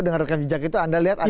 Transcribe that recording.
dengan rekan bijak itu anda lihat